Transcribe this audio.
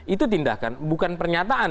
itu tindakan bukan pernyataan